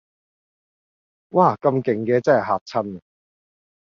嘩咁勁嘅真係嚇親